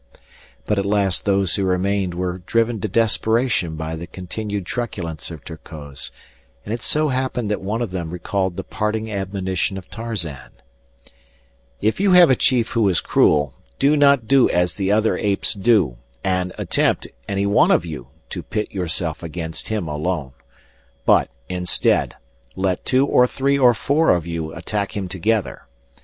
But at last those who remained were driven to desperation by the continued truculence of Terkoz, and it so happened that one of them recalled the parting admonition of Tarzan: "If you have a chief who is cruel, do not do as the other apes do, and attempt, any one of you, to pit yourself against him alone. But, instead, let two or three or four of you attack him together.